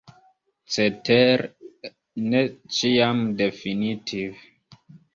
Cetere ne ĉiam definitive.